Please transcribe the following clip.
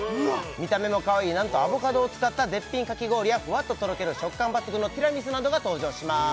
見た目も可愛いなんとアボカドを使った絶品かき氷やふわっととろける食感抜群のティラミスなどが登場します